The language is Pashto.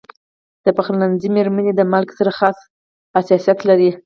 د پخلنځي میرمنې د مالګې سره خاص حساسیت لري.